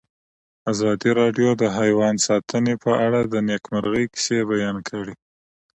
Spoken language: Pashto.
ازادي راډیو د حیوان ساتنه په اړه د نېکمرغۍ کیسې بیان کړې.